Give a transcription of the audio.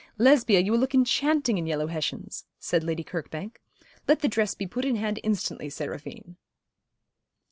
'Lesbia, you will look enchanting in yellow Hessians,' said Lady Kirkbank, 'Let the dress be put in hand instantly, Seraphine.'